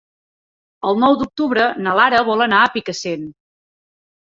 El nou d'octubre na Lara vol anar a Picassent.